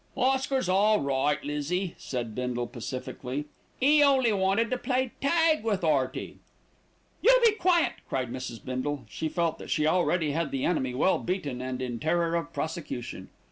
"Oscar's all right, Lizzie," said Bindle pacifically. "'E only wanted to play tag with 'Earty." "You be quiet!" cried Mrs. Bindle. She felt that she already had the enemy well beaten and in terror of prosecution.